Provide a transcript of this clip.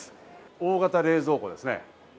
大型冷蔵庫ですね。